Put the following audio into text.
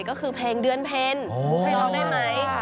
ก็คือเพลงเดือนเพ็ญร้องได้ไหม